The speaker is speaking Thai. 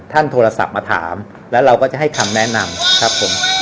โทรศัพท์มาถามแล้วเราก็จะให้คำแนะนำครับผม